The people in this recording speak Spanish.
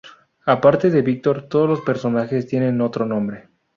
Aparte de Víctor, todos los personajes tienen otro nombre.